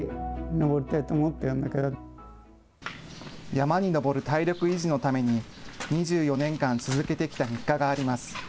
山に登る体力維持のために２４年間続けてきた日課があります。